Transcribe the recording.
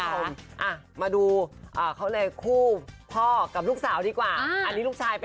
อ่ะมาดูเขาเลยคู่พ่อกับลูกสาวดีกว่า